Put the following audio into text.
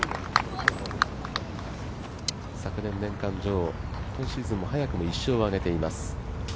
昨年年間女王、今シーズン早くも１勝を挙げています。